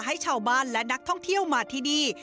ให้ชาวบ้านและนักท่องเที่ยวมาที่นี่